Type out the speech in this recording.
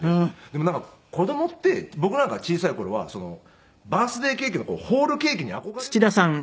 でもなんか子供って僕なんか小さい頃はバースデーケーキのホールケーキに憧れるじゃないですか。